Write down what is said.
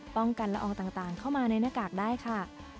กันละอองต่างเข้ามาในหน้ากากได้ค่ะ